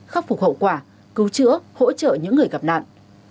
khắc phục hậu quả cứu chữa hỗ trợ những người gặp nạn